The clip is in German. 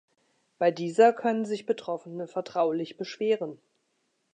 Bei dieser können sich Betroffene vertraulich beschweren.